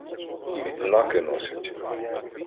І відзнаки носять.